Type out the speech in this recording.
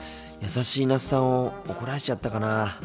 優しい那須さんを怒らせちゃったかなあ。